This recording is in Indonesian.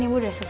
aku di rumah ya